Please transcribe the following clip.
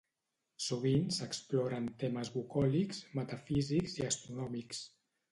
Sovint s'exploren temes bucòlics, metafísics i astronòmics.